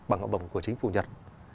bằng học bổng của chính phủ nhật